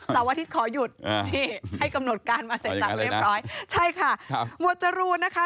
อาทิตย์ขอหยุดนี่ให้กำหนดการมาเสร็จสับเรียบร้อยใช่ค่ะหมวดจรูนนะคะ